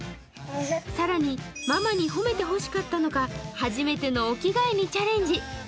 更にママに褒めてほしかったのか、初めてのお着替えにチャレンジ。